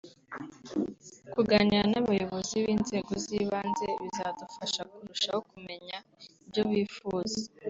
kuganira n’abayobozi b’inzego z’ibanze bizadufasha kurushaho kumenya ibyo bifuza